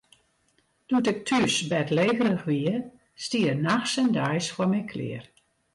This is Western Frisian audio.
Doe't ik thús bêdlegerich wie, stie er nachts en deis foar my klear.